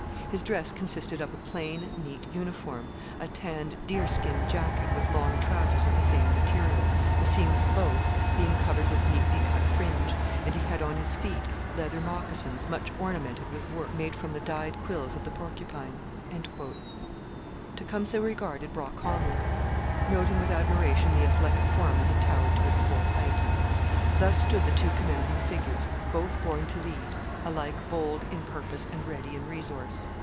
His dress consisted of a plain, neat uniform, a tanned deer skin jacket with long trousers of the same material, the seams of both being covered with neatly cut fringe, and he had on his feet leather moccasins much ornamented with work made from the dyed quills of the porcupine. Tecumseh regarded Brock calmly, noting with admiration the athletic form as it towered to its full height. Thus stood the two commanding figures, both born to lead, alike bold in purpose and ready in resource.